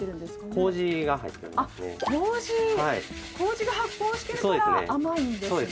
こうじが発酵してるから甘いんですね。